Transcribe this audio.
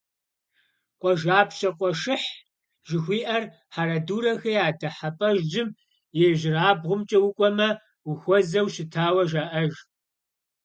«Къуажапщэ къуэшыхь» жыхуиӀэр «Хьэрэдурэхэ я дыхьэпӀэжьым» и ижьырабгъумкӀэ укӀуэмэ, ухуэзэу щытауэ жаӀэж.